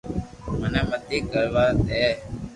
مني متي ڪر وا دي